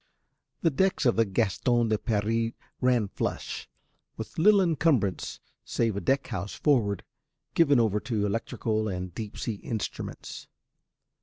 The decks of the Gaston de Paris ran flush, with little encumbrance save a deck house forward given over to electrical and deep sea instruments.